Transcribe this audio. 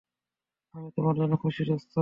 আমি তোমার জন্য খুশি, দোস্ত।